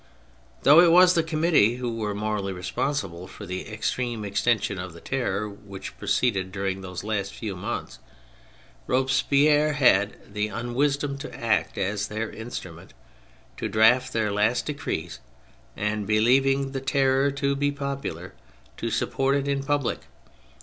Though it was the Committee who were morally responsible for the extreme extension of the Terror which proceeded during those last few months, Robespierre had the unwisdom to act as their instrument, to draft their last decrees, and, believing the Terror to be popular, to support it in public.